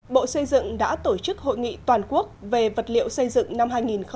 bộ xây dựng đã tổ chức hội nghị toàn quốc về vật liệu xây dựng năm hai nghìn hai mươi